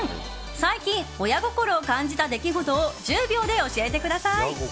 最近、親心を感じた出来事を１０秒で教えてください。